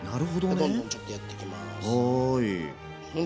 どんどんちょっとやっていきます。